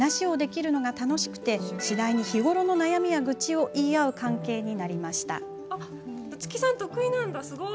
話をできるのが楽しくて次第に日頃の悩みや愚痴を言い合う関係になりました。